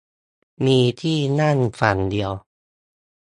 มีที่นั่งฝั่งเดียว